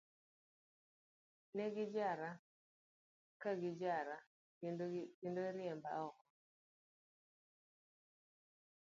Ne gijara, ka gijara, kendo riemba oko.